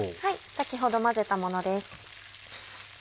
先ほど混ぜたものです。